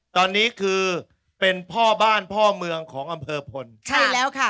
ตอนนี้คือเป็นพ่อบ้านพ่อเมืองของอำเภอพลใช่แล้วค่ะ